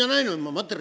待ってろ！